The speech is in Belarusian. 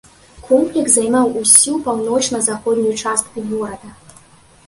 Комплекс займаў усю паўночна-заходнюю частку горада.